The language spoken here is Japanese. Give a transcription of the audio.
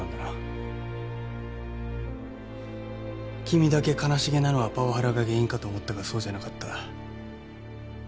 君だけ悲しげなのはパワハラが原因かと思ったがそうじゃなかった。